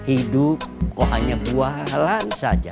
idup kok hanya bualan saja